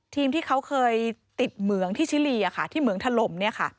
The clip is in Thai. ที่เขาเคยติดเหมืองที่ชิลีที่เหมืองถล่ม